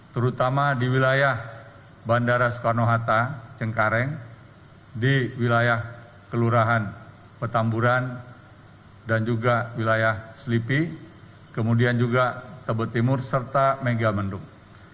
terutama di wilayah bandara soekarno hatta cengkareng di wilayah kelurahan petamburan dan juga wilayah selipi kemudian juga tebet timur serta megamendung